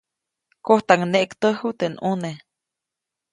Kojtaŋneʼktäju teʼ ʼnune.